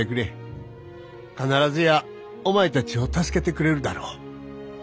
必ずやお前たちを助けてくれるだろう」。